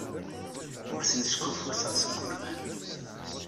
Ur ten-skuffuteɣ seg wurfan.